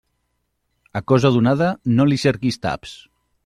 A cosa donada no li cerquis taps.